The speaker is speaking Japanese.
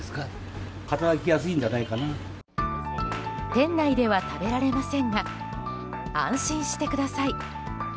店内では食べられませんが安心してください。